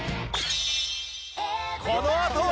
このあとは